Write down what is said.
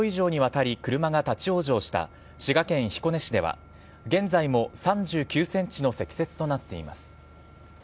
おととい、２キロ以上にわたり車が立往生した滋賀県彦根市では、現在も３９センチの積雪となっています。